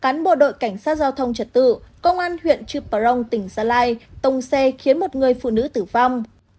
cán bộ đội cảnh sát giao thông trật tự công an huyện chuprong tỉnh gia lai tông xe khiến một người phụ nữ tử vong